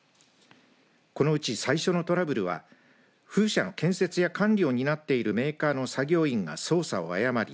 このうち最初のトラブルは風車の建設や管理を担っているメーカーの作業員が操作を誤り